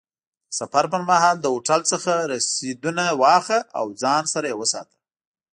د سفر پر مهال له هوټل څخه رسیدونه واخله او ځان سره یې وساته.